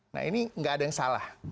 nah ini nggak ada yang salah